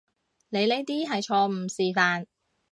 你呢啲係錯誤示範